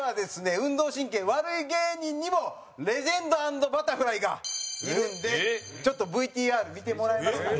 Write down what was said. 運動神経悪い芸人にもレジェンド＆バタフライがいるんでちょっと、ＶＴＲ見てもらえますかね。